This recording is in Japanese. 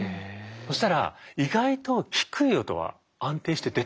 そしたら意外と低い音は安定して出たんですよ。